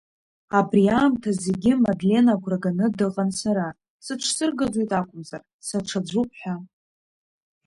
Абри аамҭа зегьы Мадлена агәра ганы дыҟан сара, сыҽсыргаӡоит акәымзар, саҽаӡәуп ҳәа.